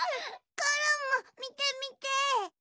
コロンもみてみて！